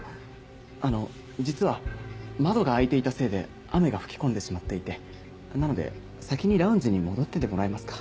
あの実は窓が開いていたせいで雨が吹き込んでしまっていてなので先にラウンジに戻っててもらえますか？